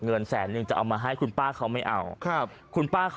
งั้นหนูเหมาสองร้อย